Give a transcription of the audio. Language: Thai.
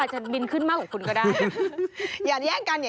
อาจจะบินขึ้นมากกว่าคุณก็ได้